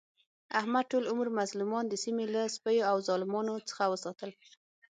احمد ټول عمر مظلومان د سیمې له سپیو او ظالمانو څخه وساتل.